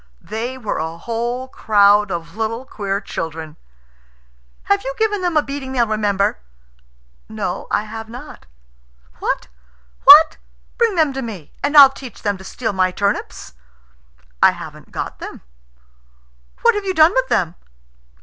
"They were a whole crowd of little queer children." "Have you given them a beating they'll remember?" "No, I have not." "What? Bring them to me, and I'll teach them to steal my turnips!" "I haven't got them." "What have you done with them?"